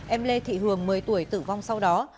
em lê thị hường một mươi tuổi tử vong sau đó